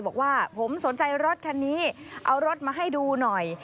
บอกว่าผมสนใจรถคันนี้เอารถมาให้ดูหน่อย